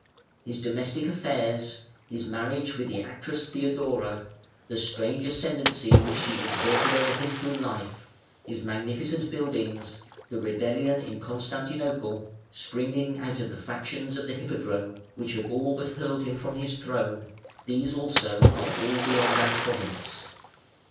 His domestic affairs, his marriage with the actress Theodora, the strange ascendancy which she exerted over him through life, his magnificent buildings, the rebellion in Constantinople (springing out of the factions of the Hippodrome) which had all but hurled him from his throne, these also are all beyond our province.